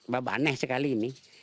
bapak aneh sekali ini